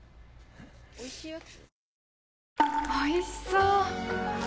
おいしいやつ？